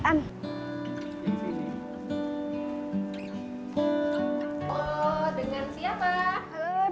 oh dengan siapa